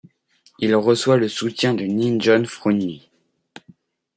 Il reçoit le soutien de Ni John Fru Ndi.